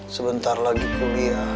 sebentar lagi kuliah